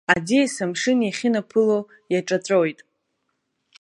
Аӡиас амшын иахьынаԥыло иаҿаҵәоит.